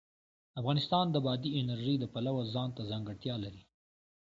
افغانستان د بادي انرژي د پلوه ځانته ځانګړتیا لري.